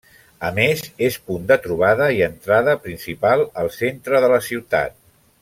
A més, és punt de trobada i entrada principal al centre de la ciutat.